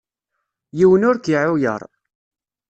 Yiwen ur k-iεuyer.